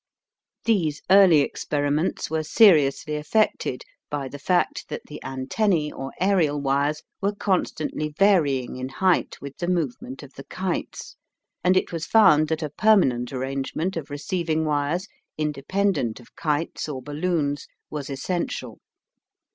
These early experiments were seriously affected by the fact that the antennae or aerial wires were constantly varying in height with the movement of the kites, and it was found that a permanent arrangement of receiving wires, independent of kites or balloons, was essential.